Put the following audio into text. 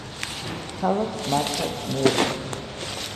ქალაქს მართავს მერი.